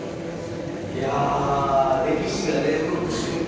いやあ歴史がね動く瞬間